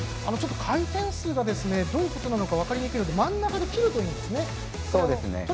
ちょっと回転数がどういうことなのか分かりにくいんですが真ん中で切るといいんですね。